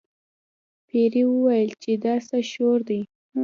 پیري وویل چې دا څه شور دی.